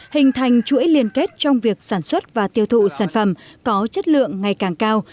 hình thành chuỗi liên kết trong việc sản xuất và tiêu thụ sản phẩm có chất lượng ngày càng cao